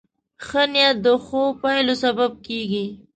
ښه نیت د ښو پایلو سبب کېږي.